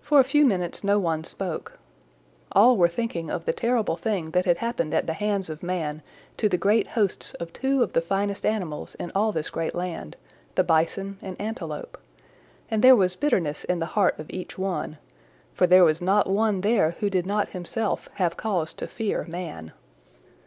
For a few minutes no one spoke. All were thinking of the terrible thing that had happened at the hands of man to the great hosts of two of the finest animals in all this great land, the Bison and Antelope, and there was bitterness in the heart of each one, for there was not one there who did not himself have cause to fear man.